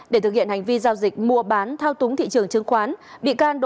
để thực hiện hành vi giao dịch mua bán thao túng thị trường chứng khoán